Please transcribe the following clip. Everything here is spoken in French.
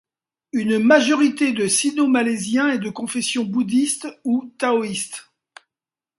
Une majorité de Sino-Malaisiens est de confession bouddhiste ou taoïste.